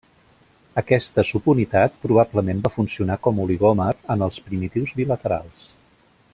Aquesta subunitat probablement va funcionar com oligòmer en els primitius bilaterals.